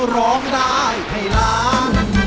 ร้องได้ให้ล้าน